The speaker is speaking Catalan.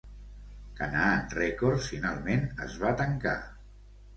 Canaan Records finalment es va tancar.